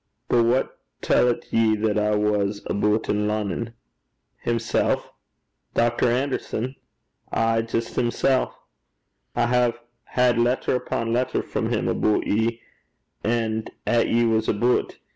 But wha tellt ye what I was aboot in Lonnon?' 'Himsel'.' 'Dr. Anderson?' 'Ay, jist himsel'. I hae had letter upo' letter frae 'im aboot you and a' 'at ye was aboot.